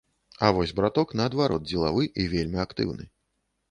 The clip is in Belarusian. А вось браток наадварот дзелавы і вельмі актыўны.